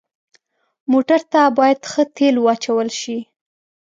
موټر ته باید ښه تیلو واچول شي.